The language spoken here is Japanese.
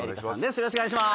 よろしくお願いします！